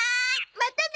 またね！